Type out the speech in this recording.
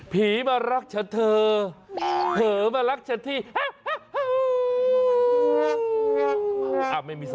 ผีเผิฬักชะเธอเผิลักชะเธีย